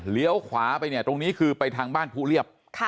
ขวาไปเนี่ยตรงนี้คือไปทางบ้านภูเรียบ